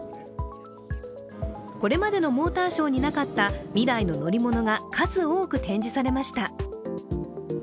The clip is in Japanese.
これまでのモーターショーになかった未来の乗り物が数多く展示されました。